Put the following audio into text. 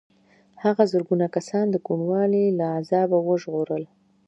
هغه زرګونه کسان د کوڼوالي له عذابه وژغورل.